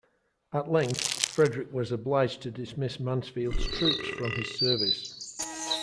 At length Frederick was obliged to dismiss Mansfeld's troops from his service.